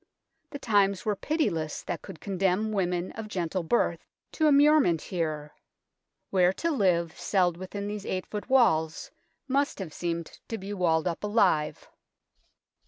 The times were pitiless that could condemn women of gentle birth to immure ment here, where to live celled within these THE BELL TOWER 73 8 ft. walls must have seemed to be walled up alive.